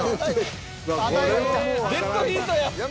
デッドヒートや。